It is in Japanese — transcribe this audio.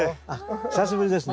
久しぶりですね。